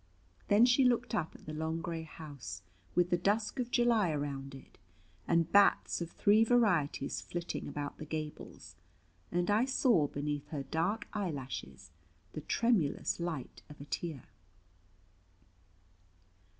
Then she looked up at the long gray house, with the dusk of July around it, and bats of three varieties flitting about the gables; and I saw beneath her dark eye lashes the tremulous light of a tear.